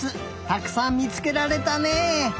たくさんみつけられたね。